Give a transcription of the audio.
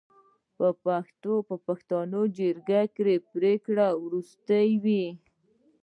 د پښتنو په جرګه کې پریکړه وروستۍ وي.